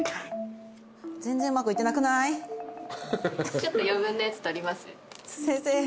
ちょっと余分なやつ取ります？